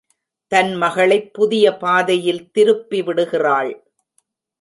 தன் மகளைப் புதிய பாதையில் திருப்பிவிடுகிறாள்.